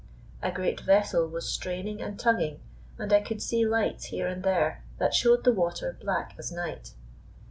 A great vessel was straining and tugging, and I could see lights here and there that showed the water black as night.